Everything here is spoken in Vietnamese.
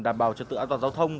đảm bảo trật tự an toàn giao thông